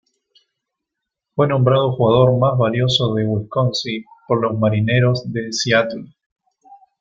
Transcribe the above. Fue nombrado Jugador Más Valioso de Wisconsin por los Marineros de Seattle.